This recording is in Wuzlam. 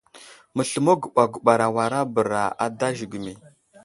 Məsləmo guɓar guɓar awara bəra ada zəgəmi.